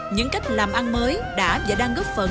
những cách làm ăn mới đã và đang góp phần